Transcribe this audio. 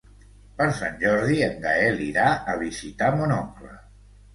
Per Sant Jordi en Gaël irà a visitar mon oncle.